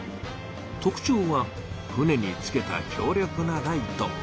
特ちょうは船につけた強力なライト。